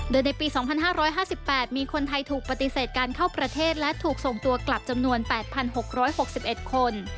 โดยในปี๒๕๕๘มีคนไทยถูกปฏิเสธการเข้าประเทศและถูกส่งตัวกลับจำนวน๘๖๖๑คน